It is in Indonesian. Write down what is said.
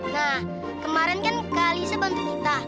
nah kemarin kan kak alisa bantu kita